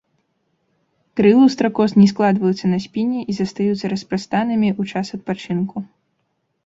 Крылы ў стракоз не складваюцца на спіне і застаюцца распрастанымі ў час адпачынку.